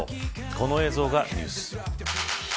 この映像がニュース。